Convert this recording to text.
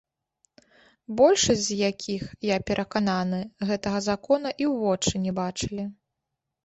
Большасць з якіх, я перакананы, гэтага закона і ў вочы не бачылі.